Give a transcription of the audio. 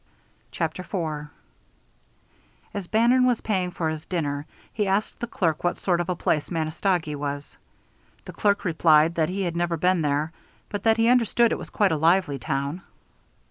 CHAPTER IV As Bannon was paying for his dinner, he asked the clerk what sort of a place Manistogee was. The clerk replied that he had never been there, but that he understood it was quite a lively town.